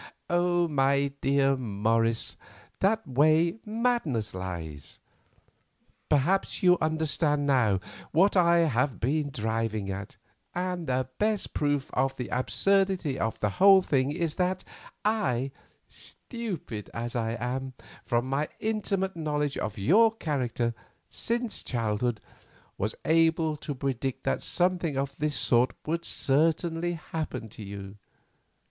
My dearest Morris, that way madness lies. Perhaps you understand now what I have been driving at, and the best proof of the absurdity of the whole thing is that I, stupid as I am, from my intimate knowledge of your character since childhood, was able to predict that something of this sort would certainly happen to you.